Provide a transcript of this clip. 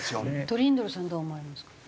トリンドルさんはどう思われますか？